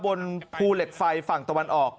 บนภูเหล็กไฟฝั่งตะวันออก